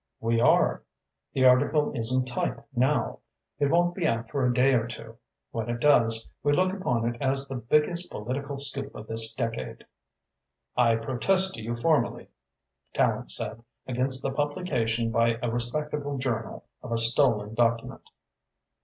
"We are. The article is in type now. It won't be out for a day or two. When it does, we look upon it as the biggest political scoop of this decade." "I protest to you formally," Tallente said, "against the publication by a respectable journal of a stolen document."